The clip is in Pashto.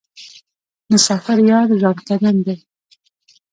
مسافر یار ځانکدن دی.